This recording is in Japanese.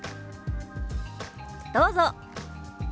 どうぞ。